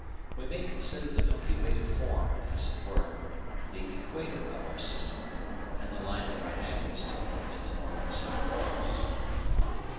We may consider the Milky Way to form, as it were, the equator of our system, and the line at right angles to point to the north and south poles.